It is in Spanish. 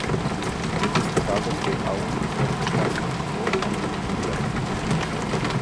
Es destacable que aún no clasificó a ningún Mundial.